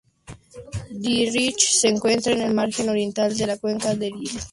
Dirichlet se encuentra en el margen oriental de la Cuenca Dirichlet-Jackson.